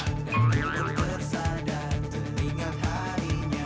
dan pun tersadar teringat harinya